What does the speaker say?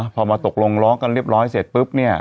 พอมาตกลงร้องกันเรียบร้อยเสร็จปุ๊บเนี่ย